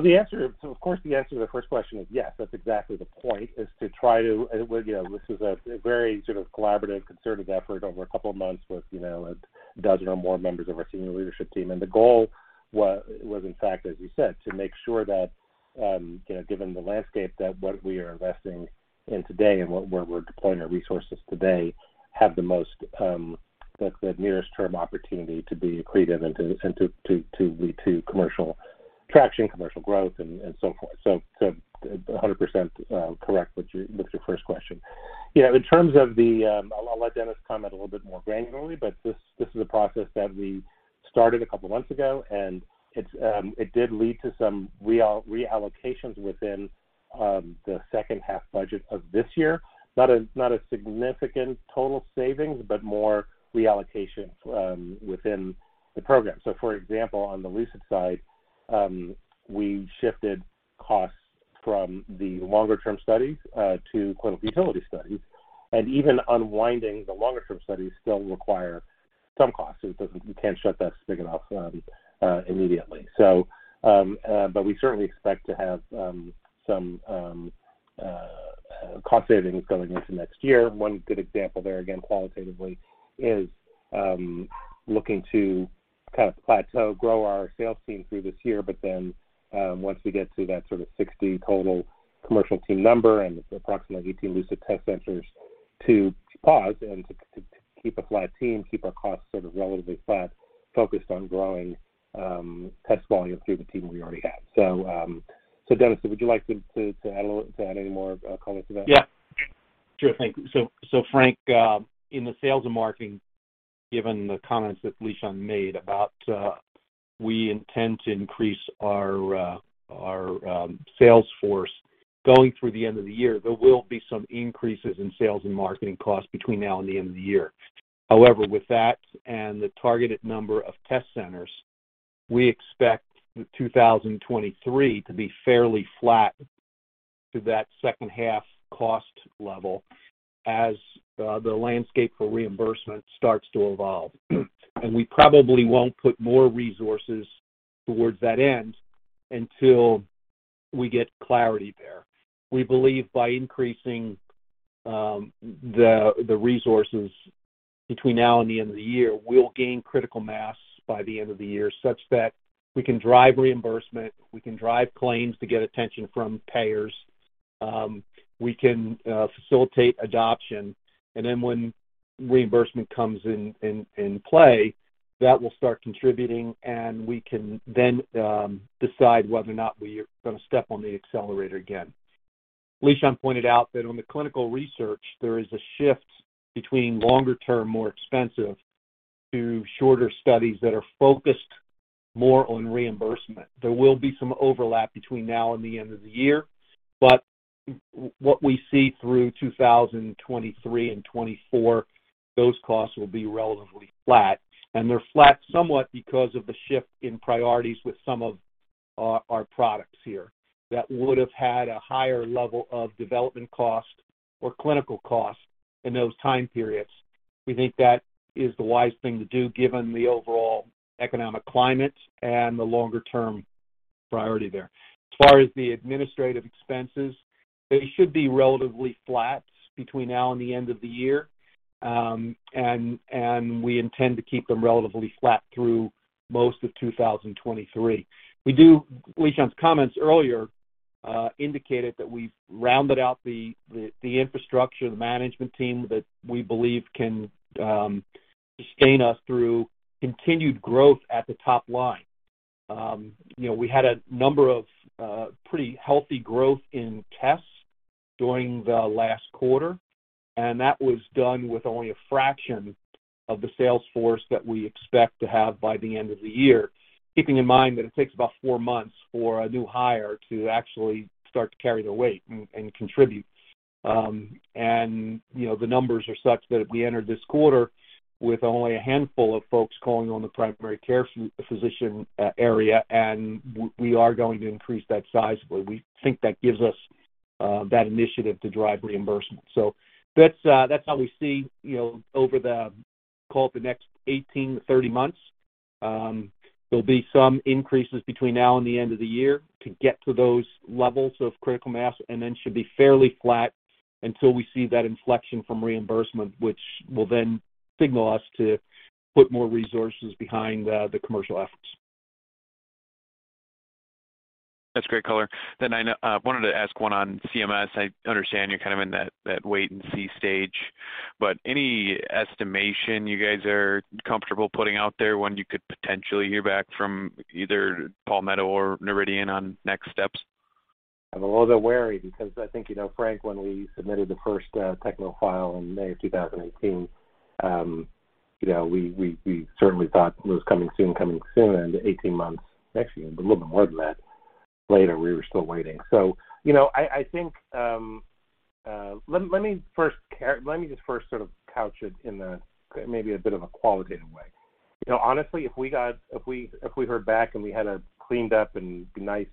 Speaker 3: course, the answer to the first question is yes. That's exactly the point is to try to. We're, you know, this is a very sort of collaborative, concerted effort over a couple of months with, you know, a dozen or more members of our senior leadership team. The goal was, in fact, as you said, to make sure that, you know, given the landscape, that what we are investing in today and where we're deploying our resources today have the most, the nearest term opportunity to be accretive and to lead to commercial traction, commercial growth, and so forth. So 100% correct what you with your first question. You know, in terms of the. I'll let Dennis comment a little bit more granularly, but this is a process that we started a couple months ago, and it did lead to some real reallocations within the second half budget of this year. Not a significant total savings, but more reallocations within the program. For example, on the Lucid side, we shifted costs from the longer-term studies to clinical utility studies. Even unwinding the longer term studies still require some costs. It doesn't. You can't shut that spigot off immediately. But we certainly expect to have some cost savings going into next year. One good example there, again, qualitatively, is looking to kind of plateau grow our sales team through this year. Once we get to that sort of 60 total commercial team number and approximately 18 Lucid test centers to pause and to keep a flat team, keep our costs sort of relatively flat, focused on growing test volume through the team we already have. Dennis, would you like to add any more comment to that?
Speaker 4: Yeah. Sure thing. Frank, in the sales and marketing, given the comments that Lishan made about, we intend to increase our sales force going through the end of the year, there will be some increases in sales and marketing costs between now and the end of the year. However, with that and the targeted number of test centers, we expect 2023 to be fairly flat to that second half cost level as the landscape for reimbursement starts to evolve. We probably won't put more resources towards that end until we get clarity there. We believe by increasing the resources between now and the end of the year, we'll gain critical mass by the end of the year such that we can drive reimbursement, we can drive claims to get attention from payers, we can facilitate adoption. Then when reimbursement comes in play, that will start contributing, and we can then decide whether or not we are gonna step on the accelerator again. Lishan pointed out that on the clinical research, there is a shift between longer term, more expensive to shorter studies that are focused more on reimbursement. There will be some overlap between now and the end of the year, but what we see through 2023 and 2024, those costs will be relatively flat. They're flat somewhat because of the shift in priorities with some of our products here that would have had a higher level of development costs or clinical costs in those time periods. We think that is the wise thing to do given the overall economic climate and the longer term priority there. As far as the administrative expenses, they should be relatively flat between now and the end of the year. We intend to keep them relatively flat through most of 2023. Lishan Aklog's comments earlier indicated that we've rounded out the infrastructure, the management team that we believe can sustain us through continued growth at the top line. You know, we had a number of pretty healthy growth in tests-
Speaker 3: During the last quarter, that was done with only a fraction of the sales force that we expect to have by the end of the year. Keeping in mind that it takes about four months for a new hire to actually start to carry their weight and contribute. You know, the numbers are such that we entered this quarter with only a handful of folks calling on the primary care physician area, and we are going to increase that size, where we think that gives us that initiative to drive reimbursement. That's how we see, you know, over, call it, the next 18-30 months. There'll be some increases between now and the end of the year to get to those levels of critical mass, and then should be fairly flat until we see that inflection from reimbursement, which will then signal us to put more resources behind the commercial efforts.
Speaker 6: That's great color. I wanted to ask one on CMS. I understand you're kind of in that wait and see stage, but any estimation you guys are comfortable putting out there when you could potentially hear back from either Palmetto or Noridian on next steps?
Speaker 3: I'm a little bit wary because I think, you know, Frank, when we submitted the first technical file in May of 2018, you know, we certainly thought it was coming soon. 18 months later, but a little bit more than that later, we were still waiting. You know, I think, let me just first sort of couch it in a maybe a bit of a qualitative way. You know, honestly, if we heard back and we had a cleaned up and nice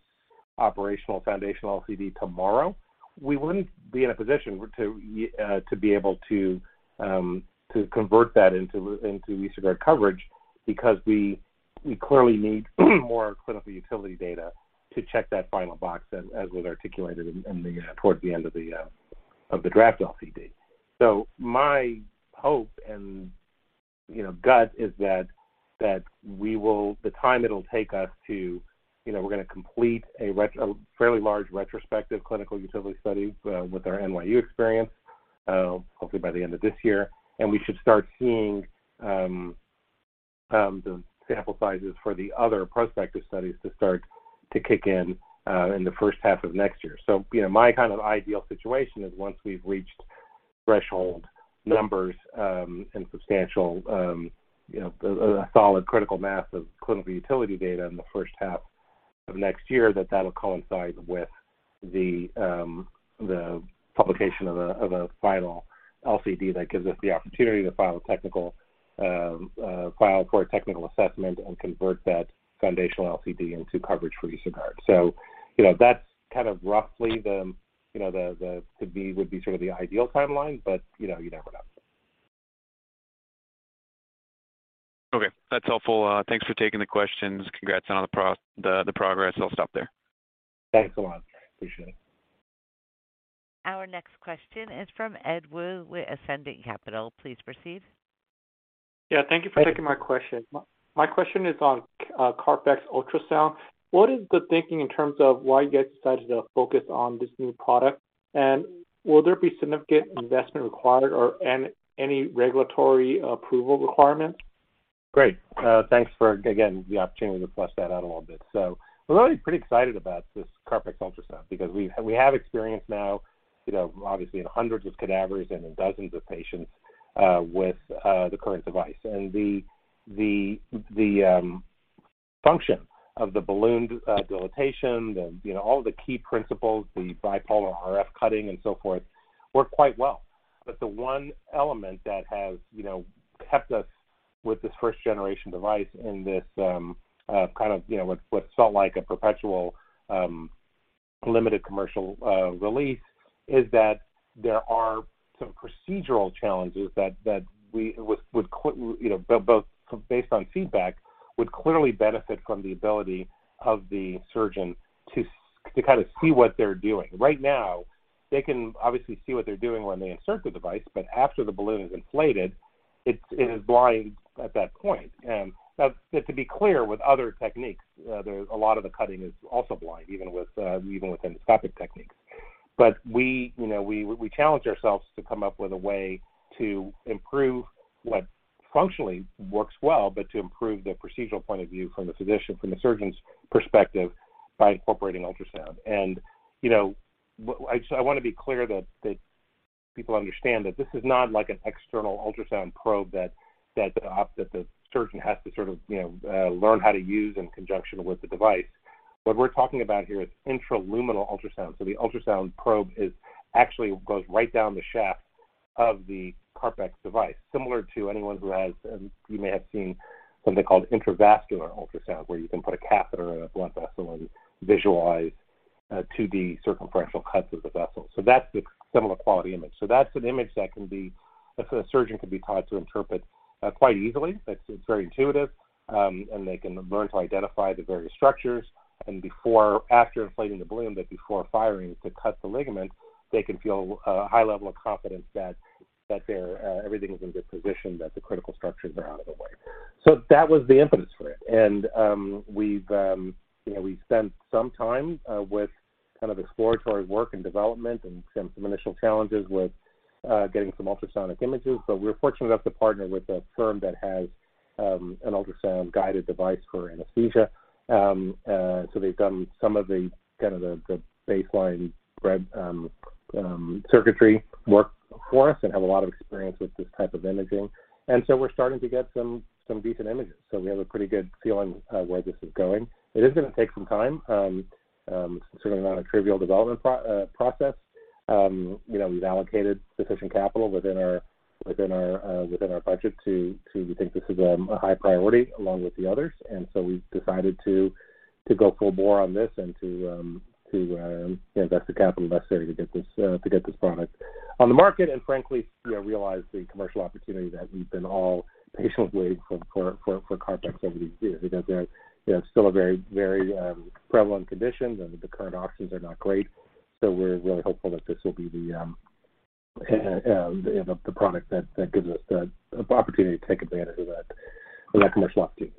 Speaker 3: operational foundational LCD tomorrow, we wouldn't be in a position to be able to convert that into EsoGuard coverage because we clearly need more clinical utility data to check that final box as was articulated towards the end of the draft LCD. My hope and, you know, gut is that we will. The time it'll take us to, you know, we're gonna complete a fairly large retrospective clinical utility study with our NYU experience hopefully by the end of this year. We should start seeing the sample sizes for the other prospective studies to start to kick in in the first half of next year. You know, my kind of ideal situation is once we've reached threshold numbers and substantial you know a solid critical mass of clinical utility data in the first half of next year, that'll coincide with the publication of a final LCD that gives us the opportunity to file a technical file for a technical assessment and convert that foundational LCD into coverage for EsoGuard. You know, that's kind of roughly the you know could be would be sort of the ideal timeline, but you know, you never know.
Speaker 6: Okay. That's helpful. Thanks for taking the questions. Congrats on all the progress. I'll stop there.
Speaker 3: Thanks a lot. Appreciate it.
Speaker 1: Our next question is from Edward Woo with Ascendiant Capital. Please proceed.
Speaker 7: Yeah, thank you for taking my question. My question is on CarpX ultrasound. What is the thinking in terms of why you guys decided to focus on this new product? Will there be significant investment required or any regulatory approval requirement?
Speaker 3: Great. Thanks for again the opportunity to flesh that out a little bit. We're really pretty excited about this CarpX ultrasound because we have experience now, you know, obviously in hundreds of cadavers and in dozens of patients with the current device. The function of the balloon dilatation, you know, all the key principles, the bipolar RF cutting and so forth work quite well. The one element that has, you know, kept us with this first generation device and this kind of, you know, what felt like a perpetual limited commercial release is that there are some procedural challenges that we would, you know, both based on feedback, clearly benefit from the ability of the surgeon to kind of see what they're doing. Right now, they can obviously see what they're doing when they insert the device, but after the balloon is inflated, it is blind at that point. Now to be clear, with other techniques, there's a lot of the cutting is also blind, even with endoscopic techniques. We, you know, challenge ourselves to come up with a way to improve what functionally works well, but to improve the procedural point of view from the physician, from the surgeon's perspective by incorporating ultrasound. You know, I wanna be clear that people understand that this is not like an external ultrasound probe that the surgeon has to sort of, you know, learn how to use in conjunction with the device. What we're talking about here is intraluminal ultrasound. The ultrasound probe actually goes right down the shaft of the CarpX device. Similar to anyone who has, you may have seen something called intravascular ultrasound, where you can put a catheter in a blood vessel and visualize the circumferential walls of the vessel. That's a similar quality image. That's an image that can be. A surgeon can be taught to interpret quite easily. It's very intuitive. They can learn to identify the various structures and before or after inflating the balloon, but before firing to cut the ligament, they can feel a high level of confidence that everything is in good position, that the critical structures are out of the way. That was the impetus for it. We've spent some time, you know, with kind of exploratory work and development and some initial challenges with getting some ultrasonic images. We're fortunate enough to partner with a firm that has an ultrasound-guided device for anesthesia. They've done some of the kind of baseline R&D circuitry work for us and have a lot of experience with this type of imaging. We're starting to get some decent images, so we have a pretty good feeling of where this is going. It is gonna take some time. This is certainly not a trivial development process. You know, we've allocated sufficient capital within our budget. We think this is a high priority along with the others. We've decided to go full bore on this and to you know invest the capital necessary to get this product on the market and frankly you know realize the commercial opportunity that we've all been patiently waiting for for CarpX over the years. Because they're you know still a very prevalent condition, and the current options are not great. We're really hopeful that this will be the product that gives us the opportunity to take advantage of that commercial opportunity.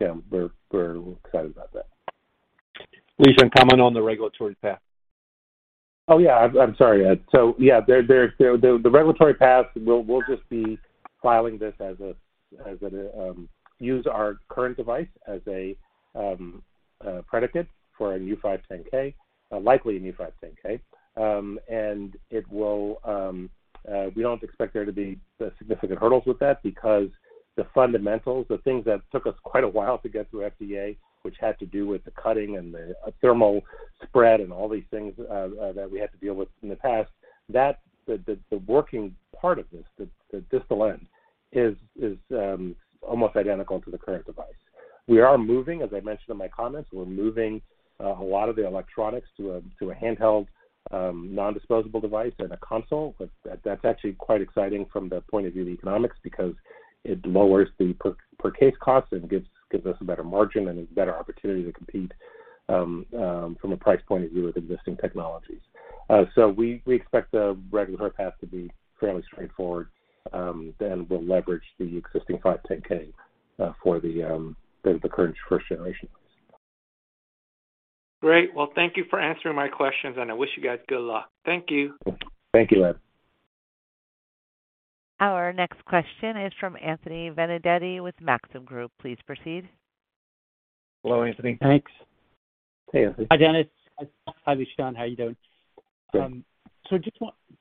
Speaker 3: Yeah, we're excited about that.
Speaker 7: Lee, some comment on the regulatory path.
Speaker 3: Oh, yeah. I'm sorry, Ed. Yeah, the regulatory path, we'll just be filing this as a 510(k) using our current device as a predicate for a new 510(k), likely a new 510(k). We don't expect there to be significant hurdles with that because the fundamentals, the things that took us quite a while to get through FDA, which had to do with the cutting and the thermal spread and all these things that we had to deal with in the past, that the working part of this, the distal end is almost identical to the current device. We are moving, as I mentioned in my comments, a lot of the electronics to a handheld non-disposable device and a console. That's actually quite exciting from the point of view of the economics because it lowers the per case cost and gives us a better margin and a better opportunity to compete from a price point of view with existing technologies. We expect the regulatory path to be fairly straightforward, and we'll leverage the existing 510(k) for the current first generation.
Speaker 7: Great. Well, thank you for answering my questions, and I wish you guys good luck. Thank you.
Speaker 3: Thank you, Ed.
Speaker 1: Our next question is from Anthony Vendetti with Maxim Group. Please proceed.
Speaker 3: Hello, Anthony.
Speaker 8: Thanks.
Speaker 3: Hey, Anthony.
Speaker 8: Hi, Dennis. Hi, Lishan Aklog. How are you doing?
Speaker 3: Good.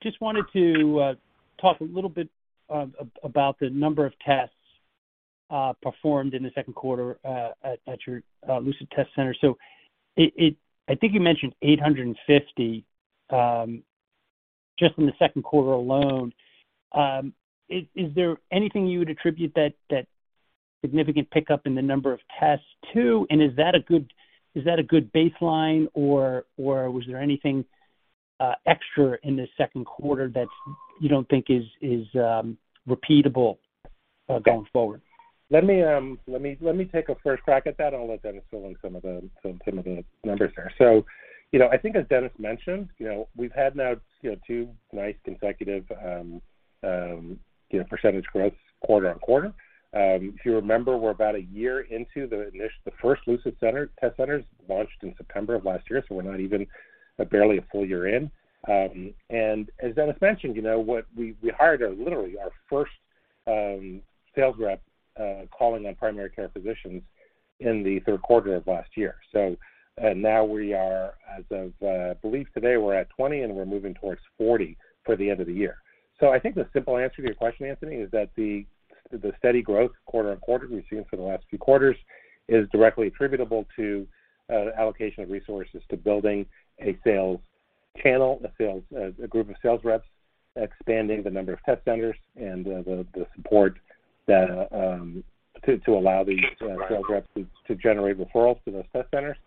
Speaker 8: Just wanted to talk a little bit about the number of tests performed in the second quarter at your Lucid Test Center. I think you mentioned 850 just in the second quarter alone. Is there anything you would attribute that significant pickup in the number of tests to? And is that a good baseline or was there anything extra in the second quarter that you don't think is repeatable going forward?
Speaker 3: Let me take a first crack at that, and I'll let Dennis fill in some of the numbers there. I think as Dennis mentioned, you know, we've had now, you know, two nice consecutive, you know, percentage growth quarter-on-quarter. If you remember, we're about a year into the first Lucid center test centers launched in September of last year, so we're not even barely a full year in. As Dennis mentioned, you know, we hired literally our first sales rep calling on primary care physicians in the third quarter of last year. Now we are as of, I believe, today we're at 20, and we're moving towards 40 for the end of the year. I think the simple answer to your question, Anthony, is that the steady growth quarter-over-quarter we've seen for the last few quarters is directly attributable to allocation of resources to building a sales channel, a group of sales reps expanding the number of test centers and the support to allow these sales reps to generate referrals to those test centers.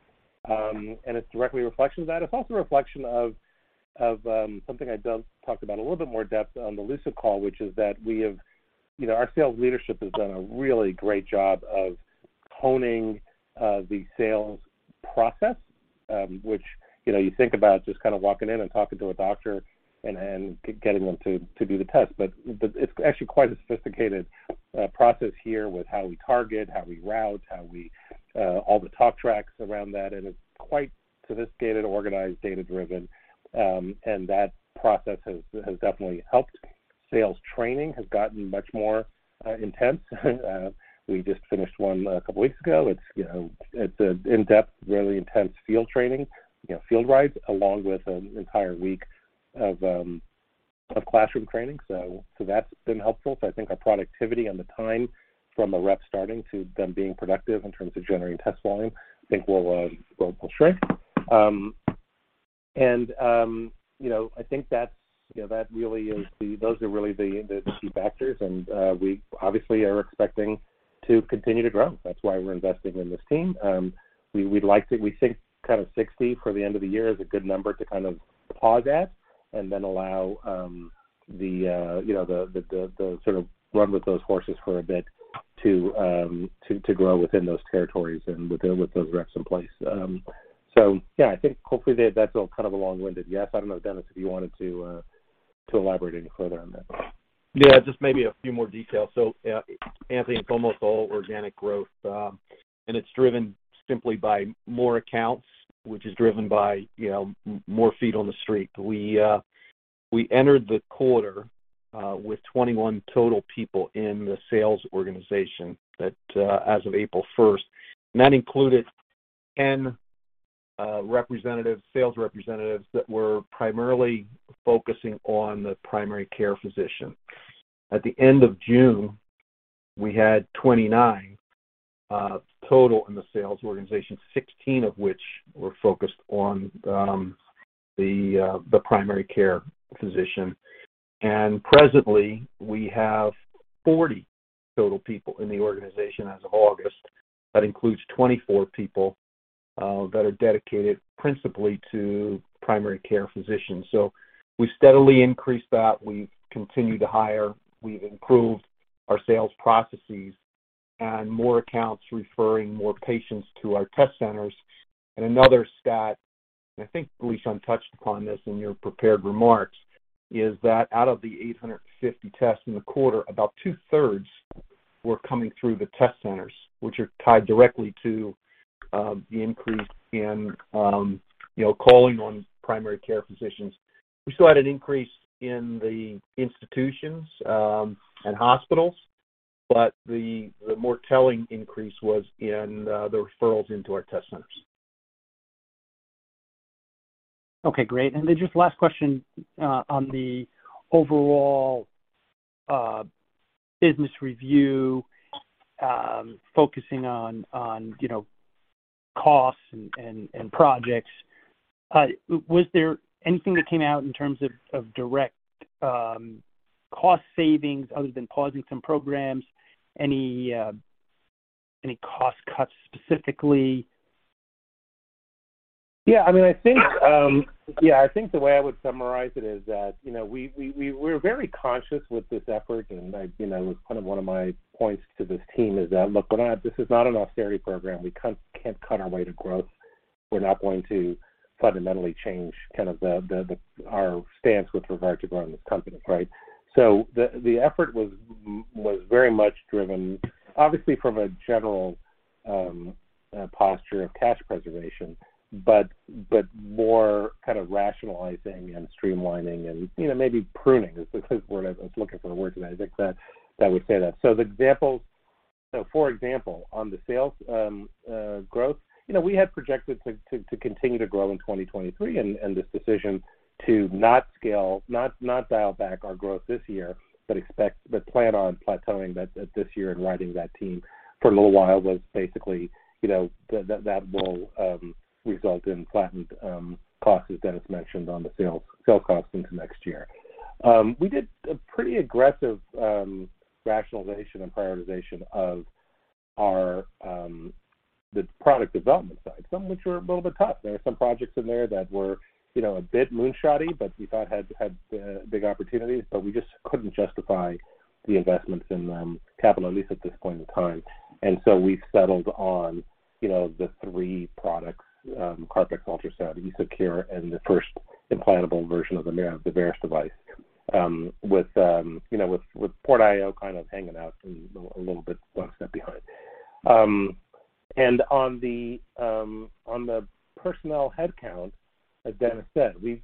Speaker 3: It's directly a reflection of that. It's also a reflection of something I talked about a little bit more depth on the Lucid call, which is that we have. You know, our sales leadership has done a really great job of honing the sales process, which, you know, you think about just kind of walking in and talking to a doctor and getting them to do the test. It's actually quite a sophisticated process here with how we target, how we route, how we all the talk tracks around that, and it's quite sophisticated, organized, data-driven. That process has definitely helped. Sales training has gotten much more intense. We just finished one a couple weeks ago. It's, you know, an in-depth, really intense field training, you know, field rides, along with an entire week of classroom training. That's been helpful. I think our productivity and the time from a rep starting to them being productive in terms of generating test volume, I think will shrink. You know, I think that's, you know, that really is the those are really the key factors. We obviously are expecting to continue to grow. That's why we're investing in this team. We think kind of 60 for the end of the year is a good number to kind of pause at and then allow the sort of run with those horses for a bit to grow within those territories and with those reps in place. Yeah, I think hopefully that's all kind of a long-winded yes. I don't know, Dennis, if you wanted to elaborate any further on that. Yeah, just maybe a few more details. Anthony, it's almost all organic growth, and it's driven simply by more accounts, which is driven by, you know, more feet on the street. We entered the quarter with 21 total people in the sales organization as of April 1, and that included 10 sales representatives that were primarily focusing on the primary care physician. At the end of June, we had 29 total in the sales organization, 16 of which were focused on the primary care physician. Presently, we have 40 total people in the organization as of August. That includes 24 people that are dedicated principally to primary care physicians. We steadily increased that. We've continued to hire. We've improved our sales processes and more accounts referring more patients to our test centers. Another stat, and I think, Lishan, touched upon this in your prepared remarks, is that out of the 850 tests in the quarter, about two-thirds were coming through the test centers, which are tied directly to the increase in, you know, calling on primary care physicians. We still had an increase in the institutions and hospitals, but the more telling increase was in the referrals into our test centers.
Speaker 8: Okay, great. Just last question on the overall business review, focusing on you know costs and projects. Was there anything that came out in terms of direct cost savings other than pausing some programs? Any cost cuts specifically?
Speaker 3: Yeah, I mean, I think the way I would summarize it is that, you know, we're very conscious with this effort, and you know, it's kind of one of my points to this team is that, look, this is not an austerity program. We can't cut our way to growth. We're not going to fundamentally change kind of our stance with regard to growing this company, right? The effort was very much driven, obviously from a general posture of cash preservation, but more kind of rationalizing and streamlining and, you know, maybe pruning is the close word. I was looking for the word, and I think that would say that. The examples. For example, on the sales growth, you know, we had projected to continue to grow in 2023, and this decision to not scale, not dial back our growth this year, but plan on plateauing that this year and riding that team for a little while was basically, you know, that will result in flattened costs as Dennis mentioned on the sales costs into next year. We did a pretty aggressive rationalization and prioritization of our the product development side, some of which were a little bit tough. There were some projects in there that were, you know, a bit moonshotty, but we thought had big opportunities, but we just couldn't justify the investments in them capital, at least at this point in time. We settled on, you know, the three products, CarpX, EsoCure, and the first implantable version of the Veris device. With you know, with PortIO kind of hanging out a little bit one step behind. On the personnel headcount, as Dennis said, we've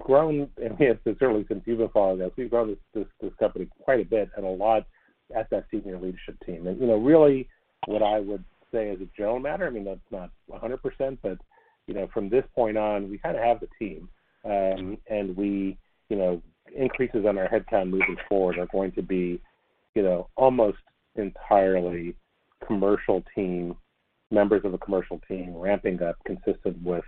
Speaker 3: grown, and certainly since you've been following us, we've grown this company quite a bit and a lot at that senior leadership team. You know, really what I would say as a general matter, I mean, that's not 100%, but you know, from this point on, we kinda have the team. You know, increases in our headcount moving forward are going to be, you know, almost entirely commercial team members of the commercial team ramping up consistent with,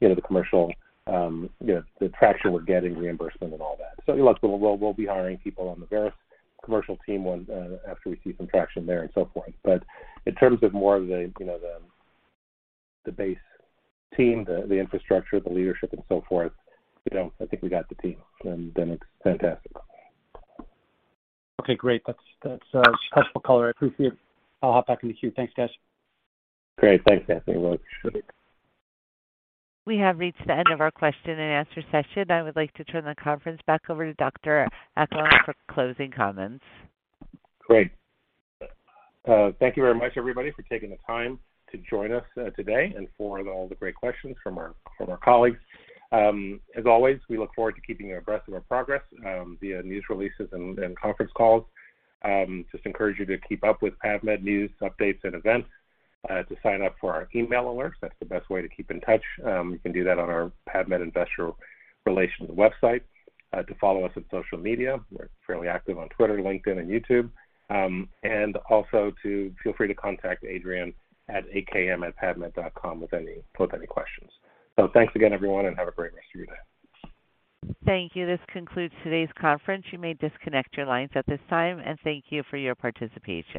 Speaker 3: you know, the commercial, you know, the traction we're getting, reimbursement and all that. Look, we'll be hiring people on the Veris commercial team once after we see some traction there and so forth. In terms of more of the, you know, the base team, the infrastructure, the leadership and so forth, you know, I think we got the team, and Dennis, fantastic.
Speaker 8: Okay, great. That's useful color. I appreciate it. I'll hop back in the queue. Thanks, guys.
Speaker 3: Great. Thanks, Anthony. Well appreciated.
Speaker 1: We have reached the end of our question and answer session. I would like to turn the conference back over to Dr. Aklog for closing comments.
Speaker 3: Great. Thank you very much, everybody, for taking the time to join us, today and for all the great questions from our colleagues. As always, we look forward to keeping you abreast of our progress, via news releases and conference calls. We just encourage you to keep up with PAVmed news, updates, and events, to sign up for our email alerts. That's the best way to keep in touch. You can do that on our PAVmed Investor Relations website, to follow us on social media. We're fairly active on Twitter, LinkedIn, and YouTube. And also to feel free to contact Adrian at akm@pavmed.com with any questions. Thanks again, everyone, and have a great rest of your day.
Speaker 1: Thank you. This concludes today's conference. You may disconnect your lines at this time, and thank you for your participation.